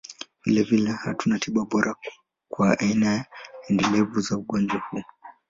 Vilevile, hakuna tiba bora kwa aina endelevu za ugonjwa huu.